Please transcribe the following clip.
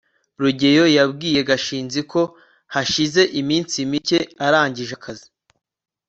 rugeyo yabwiye gashinzi ko hashize iminsi mike arangije akazi